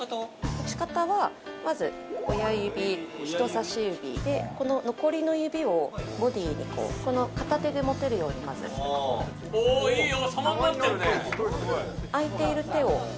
持ち方はまず親指人さし指でこの残りの指をボディにこの片手で持てるようにまずおおいいよ！